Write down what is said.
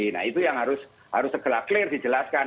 nah itu yang harus segera clear dijelaskan